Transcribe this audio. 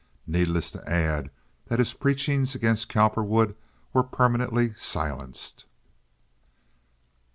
Needless to add that his preachings against Cowperwood were permanently silenced.